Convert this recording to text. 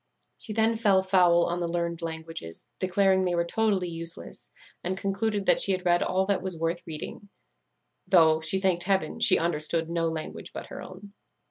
She then fell foul on the learned languages, declared they were totally useless, and concluded that she had read all that was worth reading, though, she thanked heaven, she understood no language but her own.